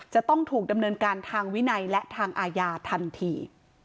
จะต้องถูกดำเนินการทางวินัยและทางอาญาทันที